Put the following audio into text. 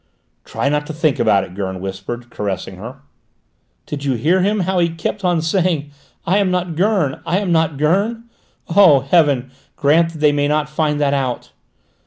"Try not to think about it," Gurn whispered, caressing her. "Did you hear him, how he kept on saying 'I am not Gurn! I am not Gurn!' Oh, heaven grant they may not find that out!"